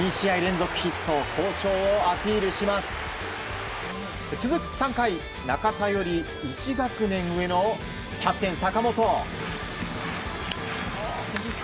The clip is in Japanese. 続く３回、中田より１学年上のキャプテン、坂本。